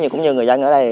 cũng như người dân ở đây